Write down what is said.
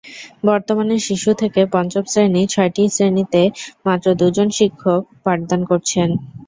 বর্তমানে শিশু থেকে পঞ্চম শ্রেণি ছয়টি শ্রেণিতে মাত্র দুজন শিক্ষক পাঠদান করছেন।